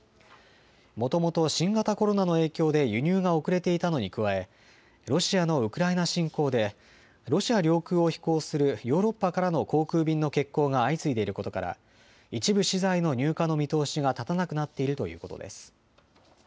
もともと新型コロナの影響で輸入が遅れていたのに加え、ロシアのウクライナ侵攻で、ロシア領空を飛行するヨーロッパからの航空便の欠航が相次いでいることから、一部資材の入荷の見通しが立たなくなっているということです。